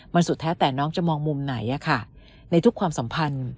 มันสุดแท้แต่น้องจะมองมุมไหนในทุกความสัมพันธ์